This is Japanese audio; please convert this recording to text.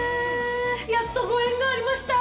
やっとご縁がありました！